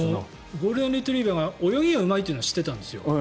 ゴールデンレトリバーが泳ぎがうまいのは知っていたんですよ。